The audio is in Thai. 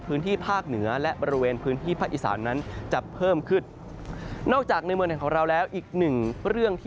พื้นที่ทางตอนบนของประเทศไทยอีกครั้ง